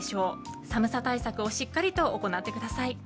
対策をしっかりと行ってください。